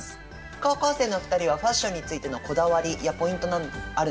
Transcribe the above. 高校生の２人はファッションについてのこだわりやポイントなどあるのかな？